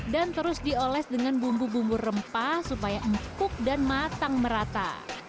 dan terus dioles dengan bumbu bumbu rempah supaya empuk dan matang merata